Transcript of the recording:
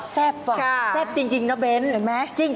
แซ่บว่ะแซ่บจริงนะเบ้นเห็นไหม